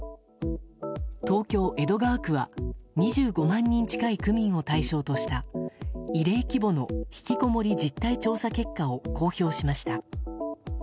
東京・江戸川区は２５万人近い区民を対象とした異例規模のひきこもり実態調査結果を公表しました。